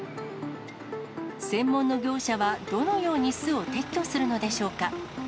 専門の業者はどのように巣を撤去するのでしょうか。